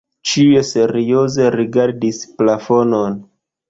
Ĉiuj serioze rigardis plafonon.